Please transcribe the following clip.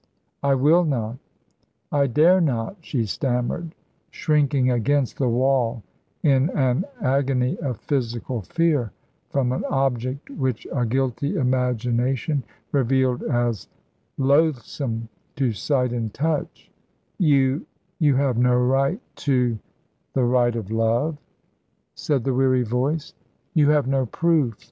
"I will not I dare not," she stammered, shrinking against the wall in an agony of physical fear from an object which a guilty imagination revealed as loathsome to sight and touch; "you you have no right to " "The right of love," said the weary voice. "You have no proof."